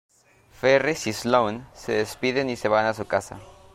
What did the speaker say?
Ferris y Sloane se despiden y se va a su casa.